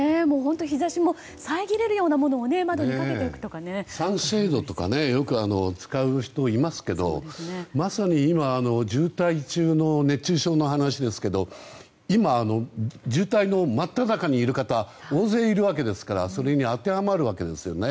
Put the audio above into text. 日差しも遮れるようなものをサンシェードとかよく使う人もいますけどまさに今渋滞中の熱中症の話ですけど今、渋滞の真っただ中にいる方大勢いるわけですからそれに当てはまるわけですよね。